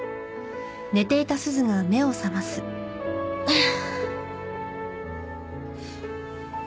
ああ。